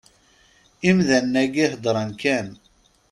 Imdanen-agi heddren kan.